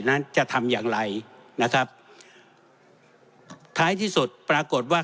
นั้นจะทำอย่างไรนะครับท้ายที่สุดปรากฏว่า